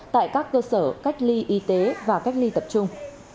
tại các cơ sở cách ly y tế và cách ly tập trung